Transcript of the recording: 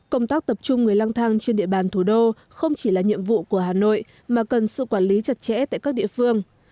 công tác tập trung người lang thang trên địa bàn thủ đô không chỉ là nhiệm vụ của hà nội mà cần sự quản lý chặt chẽ tại các địa phương